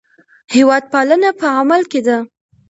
هېوادپالنه په عمل کې ده.